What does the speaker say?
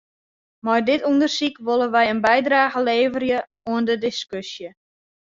Mei dit ûndersyk wolle wy in bydrage leverje oan de diskusje.